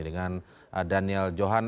dengan daniel johan